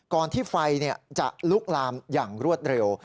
ที่ไฟจะลุกลามอย่างรวดเร็ว